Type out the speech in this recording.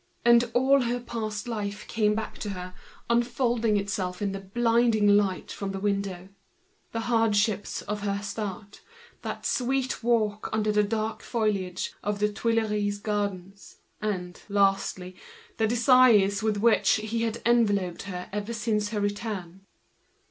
And her whole past life came back to her, unfolding itself in the blinding light of the window: the hardships of her start, that sweet walk under the shady trees of the Tuileries Gardens, and, lastly, the desires with which he had enveloped her ever since her return.